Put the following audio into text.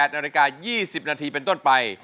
นาฬิกา๒๐นาทีเป็นต้นไป